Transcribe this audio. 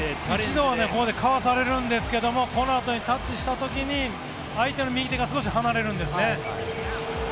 一度はここでかわされるんですがこのあとにタッチした時に相手の右手が少し離れるんですね。